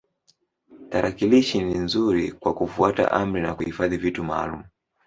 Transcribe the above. Tarakilishi ni nzuri kwa kufuata amri na kuhifadhi vitu muhimu.